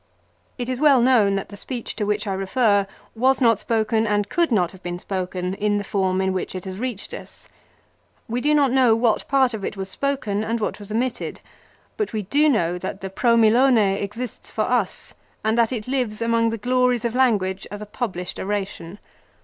It is well known that the speech to which I refer was not spoken, and could not have been spoken in the form in which it has reached us. We do not know what part of it was spoken and what was omitted ; but we do know that the " Pro Milone " exists for us, and that it lives among the glories of language as a published oration.